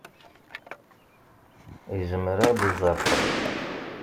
Izmer ad ɣ-d-iẓeṛ ḥedd.